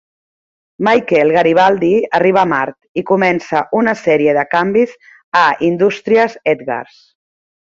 Michael Garibaldi arriba a Mart, i comença una sèrie de canvis a Indústries Edgars.